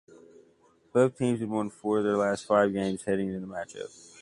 Both teams had won four of their last five games heading into the matchup.